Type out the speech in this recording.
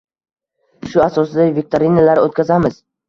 Shu asosida viktorinalar o‘tkazamiz.